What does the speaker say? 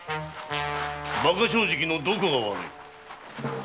バカ正直のどこが悪い。